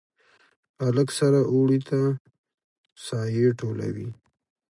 هلک سره اوړي ته سایې ټولوي